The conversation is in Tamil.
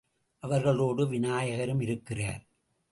அவர்களோடு விநாயகரும் இருக்கிறார்.